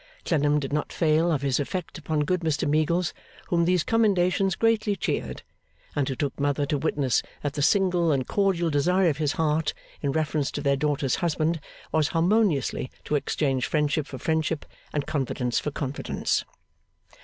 Clennam did not fail of his effect upon good Mr Meagles, whom these commendations greatly cheered; and who took Mother to witness that the single and cordial desire of his heart in reference to their daughter's husband, was harmoniously to exchange friendship for friendship, and confidence for confidence.